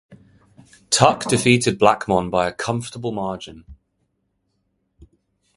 Tuck defeated Blackmon by a comfortable margin.